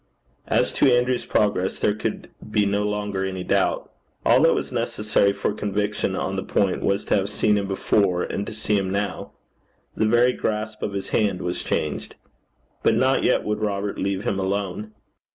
As to Andrew's progress there could be no longer any doubt. All that was necessary for conviction on the point was to have seen him before and to see him now. The very grasp of his hand was changed. But not yet would Robert leave him alone.